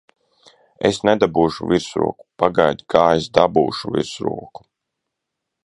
Es nedabūšu virsroku! Pagaidi, kā es dabūšu virsroku!